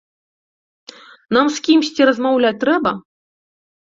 Нам з кімсьці размаўляць трэба?